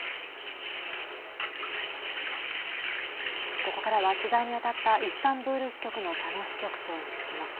ここからは取材に当たったイスタンブール支局の佐野支局長に聞きます。